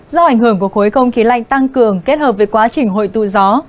do ảnh hưởng của khối không khí lạnh tăng cường kết hợp với quá trình hội tụ gió